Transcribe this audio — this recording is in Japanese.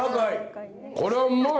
これはうまい。